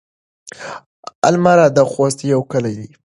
المره د خوست يو کلی دی.